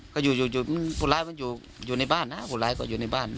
ก็อยู่คนร้ายมันอยู่ในบ้านนะคนร้ายก็อยู่ในบ้าน